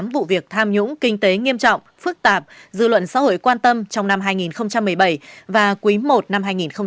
tám vụ việc tham nhũng kinh tế nghiêm trọng phức tạp dư luận xã hội quan tâm trong năm hai nghìn một mươi bảy và quý i năm hai nghìn một mươi chín